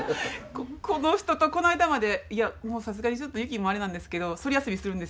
この人とこないだまでいやもうさすがにちょっと雪もあれなんですけど私も。